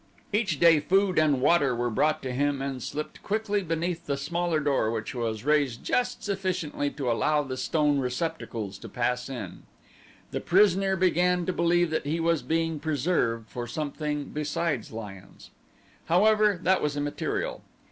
Each day food and water were brought him and slipped quickly beneath the smaller door which was raised just sufficiently to allow the stone receptacles to pass in. The prisoner began to believe that he was being preserved for something beside lions. However that was immaterial.